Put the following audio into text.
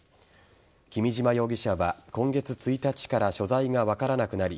君島容疑者は今月１日から所在が分からなくなり